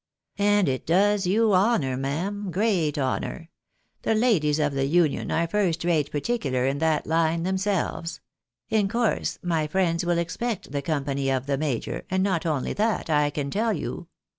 " And it does you honour, ma'am, great honour. The ladies of the Union are first rate particular in that line themselves. In course, my friends will expect the company of the major, and not only that, I can tell you.